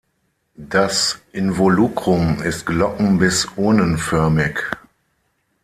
Das Involucrum ist glocken- bis urnenförmig.